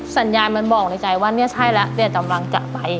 สัญญาณมันบอกในใจว่าเนี่ยใช่แล้วเนี่ยกำลังจะไป